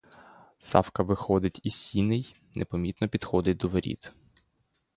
Савка виходить із сіней, непомітно підходить до воріт.